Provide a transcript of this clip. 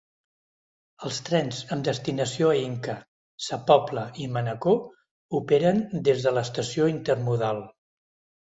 Els trens amb destinació a Inca, Sa Pobla i Manacor operen des de l'Estació Intermodal.